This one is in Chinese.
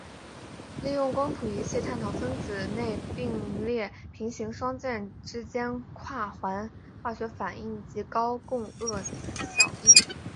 利用光谱仪器探讨分子内并列平行双键间之跨环化学反应及高共轭效应。